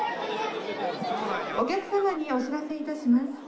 お客様にお知らせいたします。